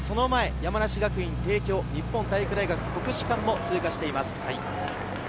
その前、山梨学院、帝京、日本体育大学、国士舘も通過しています。